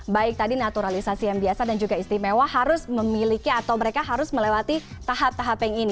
baik tadi naturalisasi yang biasa dan juga istimewa harus memiliki atau mereka harus melewati tahap tahap yang ini